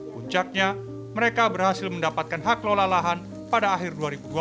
puncaknya mereka berhasil mendapatkan hak lola lahan pada akhir dua ribu dua puluh